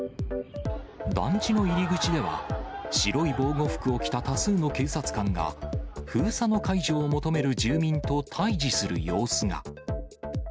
団地の入り口では、白い防護服を着た多数の警察官が、封鎖の解除を求める住民と対じする様子が。